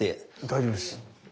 大丈夫です。